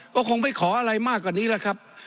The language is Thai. ก็คงไม่ขออะไรมากกว่านี้แหละครับ